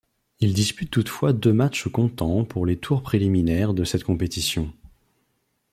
Il dispute toutefois deux matchs comptant pour les tours préliminaires de cette compétition.